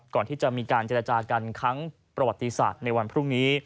ก่อนที่จะมีการเจรจากันครั้งประวัติศาสตร์ในวันพรุ่งนี้